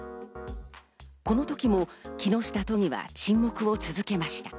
この時も木下都議は沈黙を続けました。